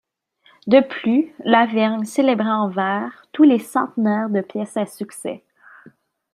De plus, Lavergne célébrait en vers tous les centenaires de pièces à succès.